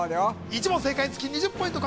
１問正解につき２０ポイント